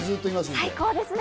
最高ですね。